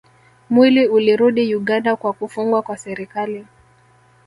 Mwili ulirudi Uganda kwa kufungwa kwa serikali